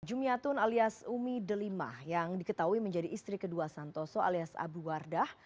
jumiatun alias umi delimah yang diketahui menjadi istri kedua santoso alias abu wardah